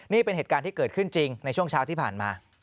นี่เป็นเหตุการณ์ที่เกิดขึ้นจริงในช่วงเช้าที่ผ่านมา